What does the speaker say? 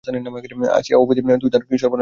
আসিয়া অবধি তুই তাহার কি সর্বনাশ না করিলি?